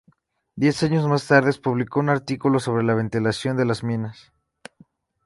Diez años más tarde publicó un artículo sobre la ventilación de las minas.